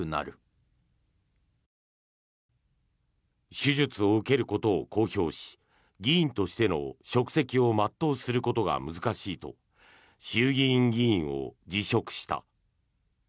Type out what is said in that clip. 手術を受けることを公表し議員としての職責を全うすることが難しいと衆議院議員を辞職した。